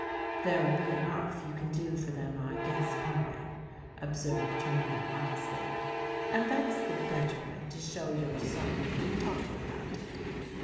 "There'll be enough you can do for them, I guess, Polly," observed her mother wisely; "and that's the better way to show you're sorry than talking about it.